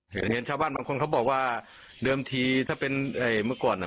เห็นเห็นชาวบ้านบางคนเขาบอกว่าเดิมทีถ้าเป็นไอ้เมื่อก่อนอ่ะ